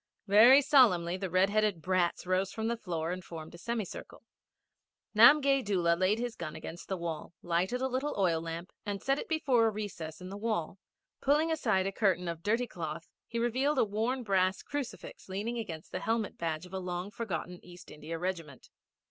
Very solemnly, the red headed brats rose from the floor and formed a semicircle. Namgay Doola laid his gun against the wall, lighted a little oil lamp, and set it before a recess in the wall. Pulling aside a curtain of dirty cloth he revealed a worn brass crucifix leaning against the helmet badge of a long forgotten East India regiment.